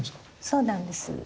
そうなんです。